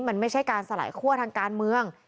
มันไม่ใช่การสลายคั่วทางการเมือง